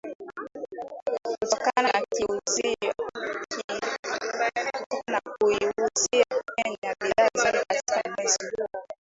kutokana na kuiuzia Kenya bidhaa zake katika mwezi huo huo